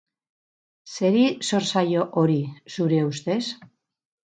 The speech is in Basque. Zeri zor zaio hori, zure ustez?